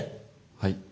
はい。